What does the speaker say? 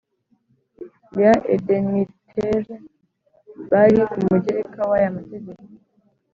Ya edntr bari ku mugereka w aya mategeko